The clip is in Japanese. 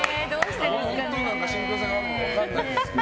信ぴょう性があるのか分からないですが。